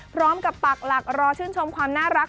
ปักหลักรอชื่นชมความน่ารัก